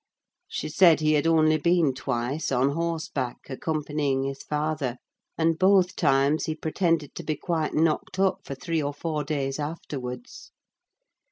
She said he had only been twice, on horseback, accompanying his father; and both times he pretended to be quite knocked up for three or four days afterwards.